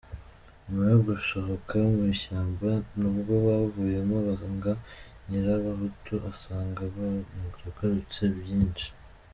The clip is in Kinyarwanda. Nyuma yo gusohoka mu ishyamba, nubwo bavuyemo banga, Nyirabahutu asanga barungutse byinshi.